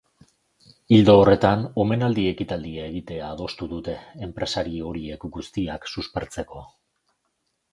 Ildo horretan, omenaldi ekitaldia egitea adostu dute, enpresari horiek guztiak suspertzeko.